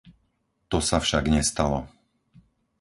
To sa však nestalo.